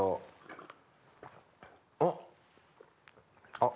あっ！